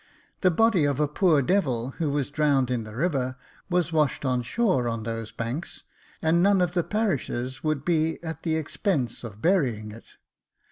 The body of a poor devil, who was drowned in the river, was washed on shore on those banks, and none of the parishes would be at the expense of burying it.